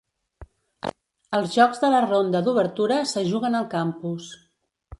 Els jocs de la ronda d'obertura se juguen al campus.